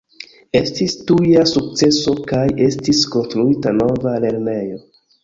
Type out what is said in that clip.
Estis tuja sukceso kaj estis konstruita nova lernejo.